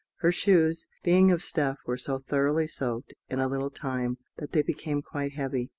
Her shoes, being of stuff, were so thoroughly soaked, in a little time, that they became quite heavy.